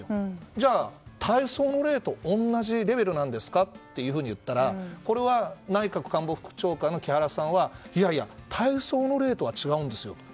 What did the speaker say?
じゃあ、大喪の礼と同じレベルなんですかと言ったら内閣官房副長官の木原さんはいやいや、大喪の礼とは違うんですよと。